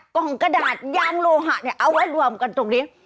กล่องกระดาษยางโลหะเนี่ยเอาไว้รวมกันตรงนี้